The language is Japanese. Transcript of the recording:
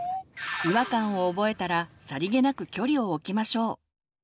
違和感を覚えたらさりげなく距離を置きましょう。